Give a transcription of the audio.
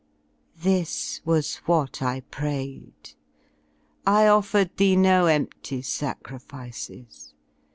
This was what 1 prayed. I offered thee no empty sacrifices.